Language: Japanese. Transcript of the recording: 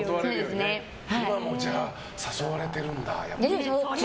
今もじゃあ、誘われてるんだ。